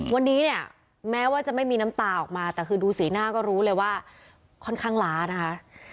วันนี้เนี่ยแม้ว่าจะไม่มีน้ำตาออกมาแต่คือดูสีหน้าก็รู้เลยว่าค่อนข้างล้านะคะ